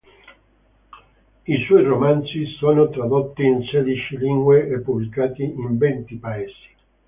I suoi romanzi sono tradotti in sedici lingue e pubblicati in venti paesi.